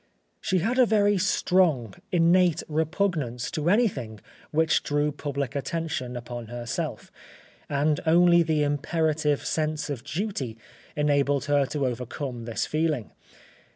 She had a very strong, innate repugnance to anything which drew public attention upon herself, and only the imperative sense of duty enabled her to overcome this feeling.